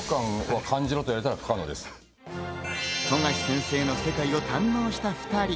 冨樫先生の世界を堪能した２人。